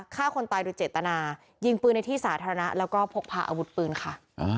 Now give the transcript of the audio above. ฆ่าคนตายโดยเจตนายิงปืนในที่สาธารณะแล้วก็พกพาอาวุธปืนค่ะ